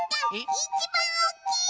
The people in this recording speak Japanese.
いちばんおっきいの！